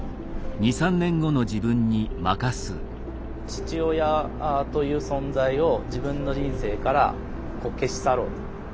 父親という存在を自分の人生から消し去ろうと。